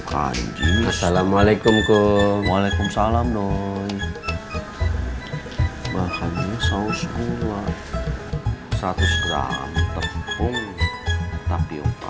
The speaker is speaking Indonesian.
kanji assalamualaikum ke waalaikumsalam doi bahannya saus gula seratus gram tepung tapi